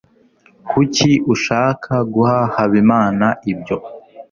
kuki ushaka guha habimana ibyo